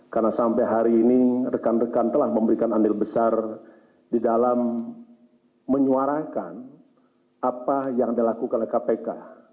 karena sampai hari ini rekan rekan telah memberikan andil besar di dalam menyuarakan apa yang dilakukan oleh kpk